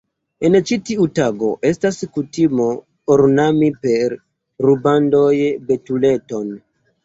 En ĉi tiu tago estas kutimo ornami per rubandoj betuleton.